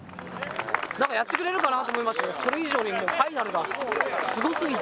やってくれるかなと思いましたけど、それ以上にファイナルがすごすぎて。